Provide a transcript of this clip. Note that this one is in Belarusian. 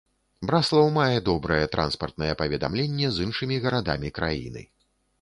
Браслаў мае добрае транспартнае паведамленне з іншымі гарадамі краіны.